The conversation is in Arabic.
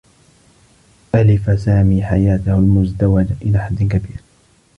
ألف سامي حياته المزدوجة إلى حدّ كبير.